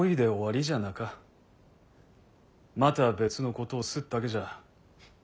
また別のことをすっだけじゃ。